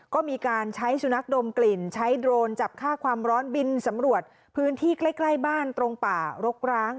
ก็มีการใช้สุนัขดมกลิ่นใช้โดรนจับค่าความร้อนบินสำรวจพื้นที่ใกล้บ้านตรงป่ารกร้าง